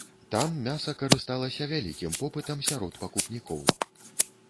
Там мяса карысталася вялікім попытам сярод пакупнікоў.